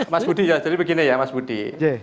mas budi ya jadi begini ya mas budi